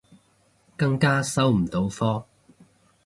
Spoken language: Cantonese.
更加收唔到科